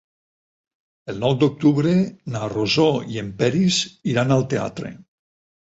El nou d'octubre na Rosó i en Peris iran al teatre.